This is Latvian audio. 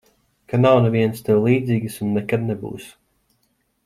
Ka nav nevienas tev līdzīgas un nekad nebūs.